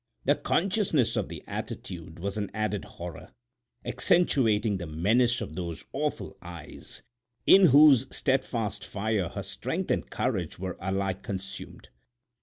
The consciousness of the attitude was an added horror, accentuating the menace of those awful eyes, in whose steadfast fire her strength and courage were alike consumed.